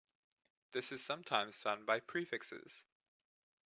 This is sometimes done by prefixes.